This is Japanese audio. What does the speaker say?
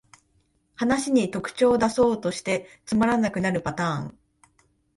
話に特徴だそうとしてつまらなくなるパターン